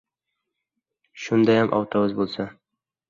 Shundayam, avtobus bo‘lsa.